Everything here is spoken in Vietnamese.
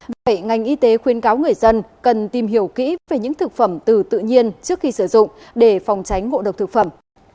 vậy ngành y tế khuyên cáo người dân cần tìm hiểu kỹ về những thực phẩm từ tự nhiên trước khi sử dụng để phòng tránh ngộ độc thực phẩm